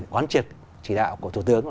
quán triệt chỉ đạo của thủ tướng